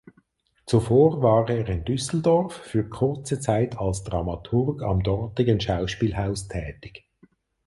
Zuvor war er in Düsseldorf für kurze Zeit als Dramaturg am dortigen Schauspielhaus tätig.